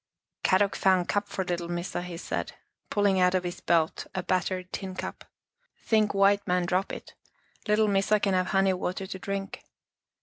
" Kadok found cup for little Missa," he said, pulling from his belt a battered tin cup. " Think white man drop it, little Missa can have honey water to drink."